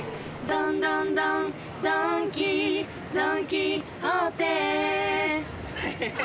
ドンドンドンドン．キドン．キホーテへへへ！